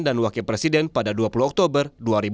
wakil presiden pada dua puluh oktober dua ribu dua puluh